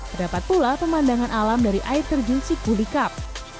terdapat pula pemandangan alam dari air terjun sikuli kab